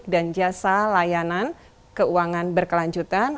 pengembangan berbagai produk dan jasa layanan keuangan berkelanjutan